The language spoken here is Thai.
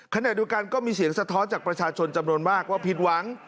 ขณะเดียวกันก็มีเสียงสะท้อนจากประชาชนจำนวนมากว่าผิดหวัง